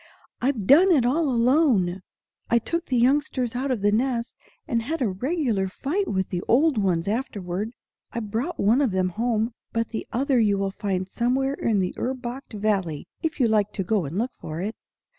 "I've done it all alone. I took the youngsters out of the nest, and had a regular fight with the old ones afterward. I brought one of them home; but the other you will find somewhere in the Urbacht Valley, if you like to go and look for it."